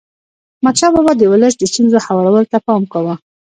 احمدشاه بابا د ولس د ستونزو هوارولو ته پام کاوه.